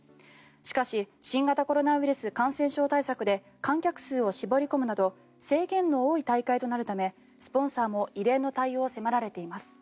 しかし新型コロナウイルス感染症対策で観客数を絞り込むなど制限の多い大会となるためスポンサーも異例の対応を迫られています。